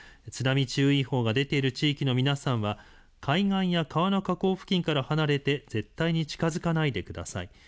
津波注意報が出ている地域の皆さんは海岸や川の河口付近から離れて絶対に近づかないでください。